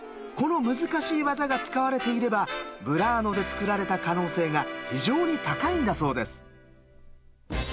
この難しい技が使われていればブラーノで作られた可能性が非常に高いんだそうです。